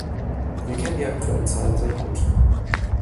Wir kennen die aktuellen Zahlen sehr gut.